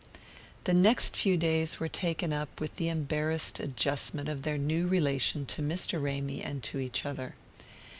The next few days were taken up with the embarrassed adjustment of their new relation to Mr. Ramy and to each other.